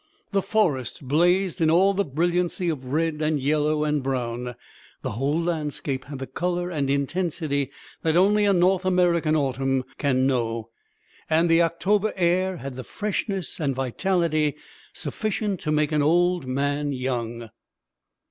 The forests blazed in all the brilliancy of red and yellow and brown. The whole landscape had the color and intensity that only a North American autumn can know, and the October air had the freshness and vitality sufficient to make an old man young.